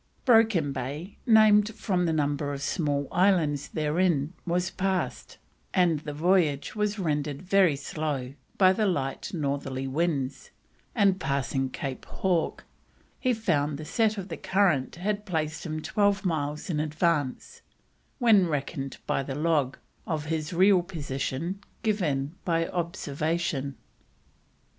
Broken Bay, named from the number of small islands therein, was passed, and the voyage was rendered very slow by the light northerly winds, and passing Cape Hawke, he found the set of the current had placed him twelve miles in advance, when reckoned by the log, of his real position given by observation.